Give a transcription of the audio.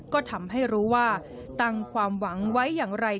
ก็ทำให้รู้ว่าตั้งความหวังไว้อย่างไร